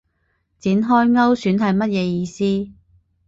展開勾選係乜嘢意思